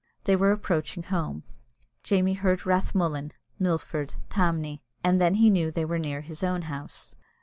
They were approaching home. Jamie heard "Rathmullan," "Milford," "Tamney," and then he knew they were near his own house.